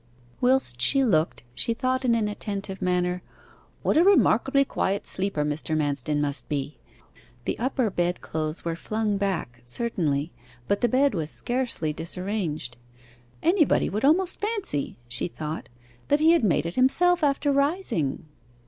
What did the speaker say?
Whilst she looked, she thought in an inattentive manner, 'What a remarkably quiet sleeper Mr. Manston must be!' The upper bed clothes were flung back, certainly, but the bed was scarcely disarranged. 'Anybody would almost fancy,' she thought, 'that he had made it himself after rising.